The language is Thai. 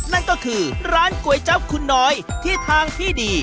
นั่นก็คือร้านก๋วยจับคุณน้อยที่ทางที่ดี